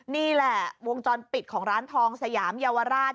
นี่แหละวงจรปิดของร้านทองสยามเยาวราช